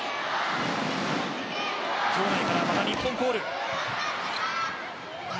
場内からまた日本コール。